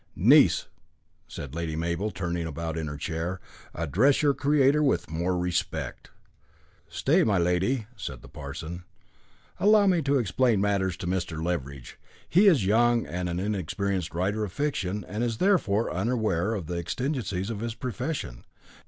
"Niece!" said Lady Mabel, turning about in her chair, "address your creator with more respect." "Stay, my lady," said the parson. "Allow me to explain matters to Mr. Leveridge. He is young and an inexperienced writer of fiction, and is therefore unaware of the exigencies of his profession.